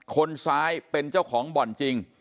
คนซ้ายเป็นเจ้าของบ่อนจริง